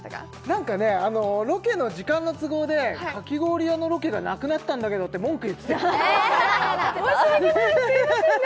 なんかねロケの時間の都合でかき氷屋のロケがなくなったんだけどって文句言ってたよ申し訳ないすいませんね